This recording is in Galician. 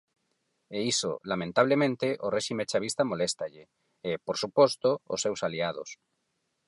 E iso, lamentablemente, ao réxime chavista moléstalle; e, por suposto, aos seus aliados.